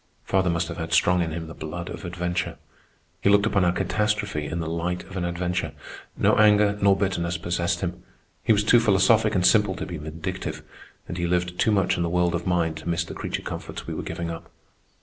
Father must have had strong in him the blood of adventure. He looked upon our catastrophe in the light of an adventure. No anger nor bitterness possessed him. He was too philosophic and simple to be vindictive, and he lived too much in the world of mind to miss the creature comforts we were giving up.